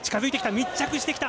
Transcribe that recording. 密着してきた。